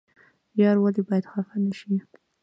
یار ولې باید خفه نشي؟